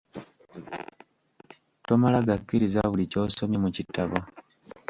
Tomala gakkiriza buli ky'osomye mu kitabo.